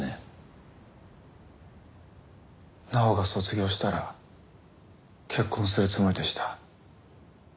奈緒が卒業したら結婚するつもりでした。